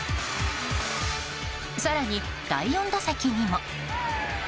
更に、第４打席にも。